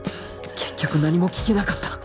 結局何も聞けなかった